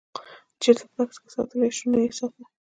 چېرته په بکس کې ساتلی شوو نه یې ساته.